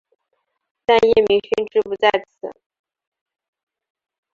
但叶明勋志不在此。